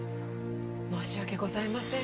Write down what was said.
申し訳ございません。